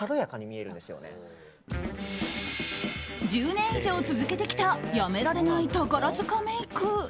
１０年以上続けてきたやめられない宝塚メイク。